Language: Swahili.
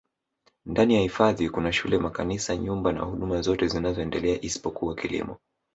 ndani ya hifadhi Kuna shule makanisa nyumba na huduma zote zinaendelea isipokuwa kilimo